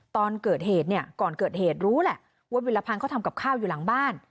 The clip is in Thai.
ตอนเกิดเหตุเนี่ยก่อนเกิดเหตุรู้แหละว่าวิลพันธ์เขาทำกับข้าวอยู่หลังบ้าน